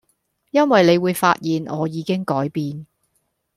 因為你會發現我已經改變